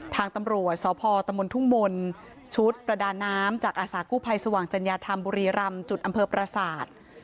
ทางตำรวจสพตมทุ่งมนต์ชุดประดาน้ำจากอาสากู้ภัยสว่างจัญญาธรรมบุรีรำจุดอำเภอประสาท